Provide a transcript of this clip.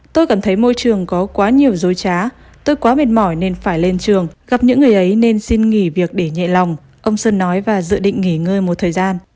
tôi cảm thấy môi trường có quá nhiều dối trá tôi quá mệt mỏi nên phải lên trường gặp những người ấy nên xin nghỉ việc để nhẹ lòng ông sơn nói và dự định nghỉ ngơi một thời gian